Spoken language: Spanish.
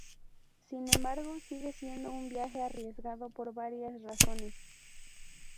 Sin embargo, sigue siendo un viaje arriesgado por varias razones.